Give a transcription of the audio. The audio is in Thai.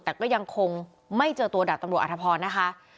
แต่ก็ยังคงไม่เจอตัวดับตำรวจอาทธพรณรับราชการนะคะ